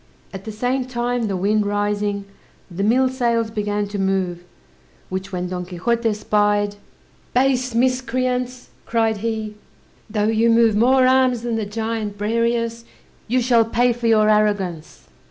At the same time, the wind rising, the mill sails began to move, which when Don Quixote spied, "Base miscreants," cried he, "though you move more arms than the giant Briareus, you shall pay for your arrogance."